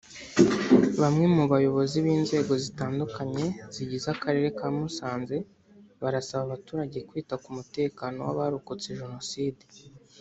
Bamwe mu bayobozi b’inzego zitandukanye zigize Akarere ka Musanze barasaba abaturage kwita ku mutekano w’abarokotse Jenoside